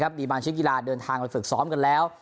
มีบางชิ้นกีฬาเดินทางไปฝึกซ้อมกันแล้ว